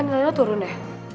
nihalnya lo turun ya